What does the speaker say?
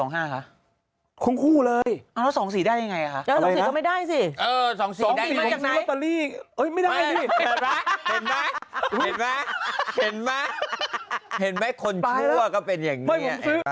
เห็นมั้ยเห็นมั้ยเห็นมั้ยเห็นมั้ยคนชั่วก็เป็นอย่างนี้